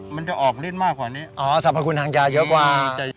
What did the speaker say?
มันจะออกฤทธิมากกว่านี้อ๋อสรรพคุณทางยาเยอะกว่า